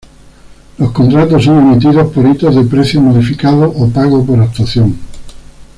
Los contratos son emitidos por hitos de precio modificado o pago por actuación.